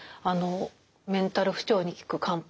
メンタル不調に効く漢方